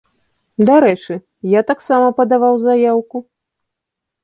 Дарэчы, я таксама падаваў заяўку.